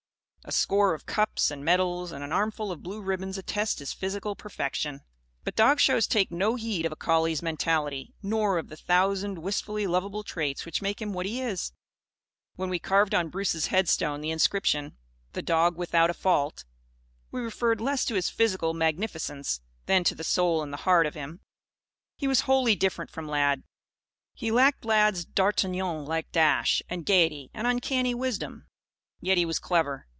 A score of cups and medals and an armful of blue ribbons attest his physical perfection. But dog shows take no heed of a collie's mentality, nor of the thousand wistfully lovable traits which make him what he is. When we carved on Bruce's headstone the inscription, "The Dog Without a Fault," we referred less to his physical magnificence than to the soul and the heart of him. He was wholly different from Lad. He lacked Lad's d'Artagnan like dash and gaiety and uncanny wisdom. Yet he was clever.